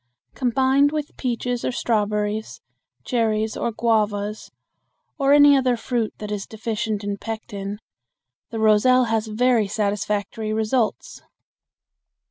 Combined with peaches or strawberries, cherries or guavas, or any other fruit that is deficient in pectin, the roselle has very satisfactory results.